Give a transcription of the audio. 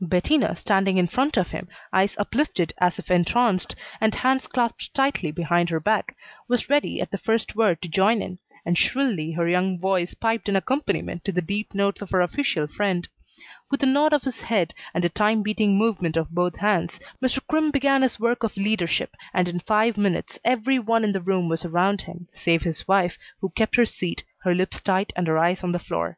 Bettina, standing in front of him, eyes uplifted as if entranced, and hands clasped tightly behind her back, was ready at the first word to join in, and shrilly her young voice piped an accompaniment to the deep notes of her official friend. With a nod of his head and a time beating movement of both hands, Mr. Crimm began his work of leadership, and in five minutes every one in the room was around him, save his wife, who kept her seat, her lips tight and her eyes on the floor.